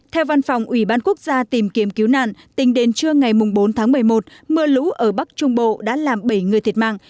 theo văn phòng ủy ban quốc gia tìm kiếm cứu nạn tính đến trưa ngày bốn tháng một mươi một mưa lũ ở bắc trung bộ đã làm bảy người thiệt mạng